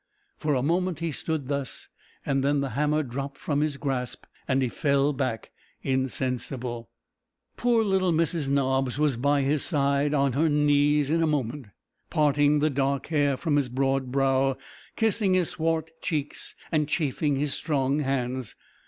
For a moment he stood thus, then the hammer dropt from his grasp, and he fell back insensible. Poor little Mrs Nobbs was by his side on her knees in a moment, parting the dark hair from his broad brow, kissing his swart cheeks, and chafing his strong hands.